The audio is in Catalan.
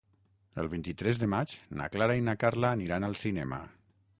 El vint-i-tres de maig na Clara i na Carla aniran al cinema.